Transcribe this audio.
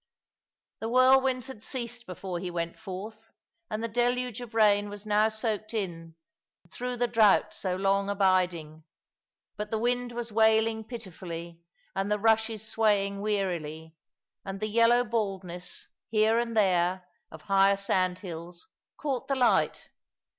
The whirlwinds had ceased before he went forth, and the deluge of rain was now soaked in, through the drought so long abiding. But the wind was wailing pitifully, and the rushes swaying wearily; and the yellow baldness, here and there, of higher sandhills, caught the light.